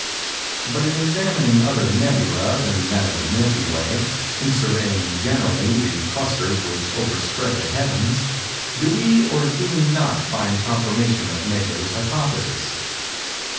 But in examining other "nebulæ" than that of the Milky Way—in surveying, generally, the clusters which overspread the heavens—do we or do we not find confirmation of Mädler's hypothesis?